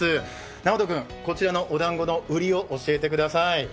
直人君、こちらのおだんごの売りを教えてください。